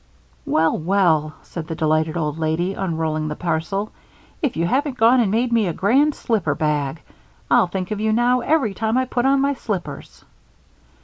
"Well, well," said the delighted old lady, unrolling the parcel, "if you haven't gone and made me a grand slipper bag! I'll think of you, now, every time I put on my slippers."